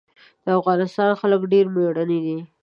د افغانستان خلک ډېر مېړني دي.